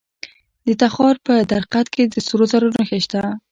د تخار په درقد کې د سرو زرو نښې شته.